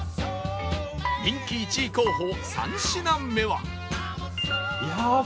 人気１位候補３品目は